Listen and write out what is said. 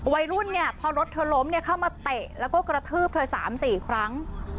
วัยรุ่นเนี่ยพอรถเธอล้มเข้ามาเตะแล้วก็กระทืบเธอ๓๔ครั้ง